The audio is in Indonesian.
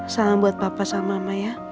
salam buat papa sama mama ya